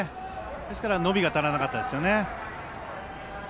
ですから伸びが足りなかったですね。